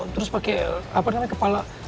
terus pakai apa namanya kepala